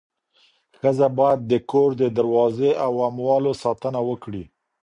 ښځه باید د کور د دروازې او اموالو ساتنه وکړي.